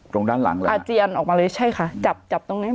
ตรงด้านหลังเลยอาเจียนออกมาเลยใช่ค่ะจับจับตรงนี้